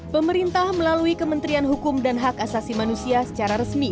pemerintah melalui kementerian hukum dan hak asasi manusia secara resmi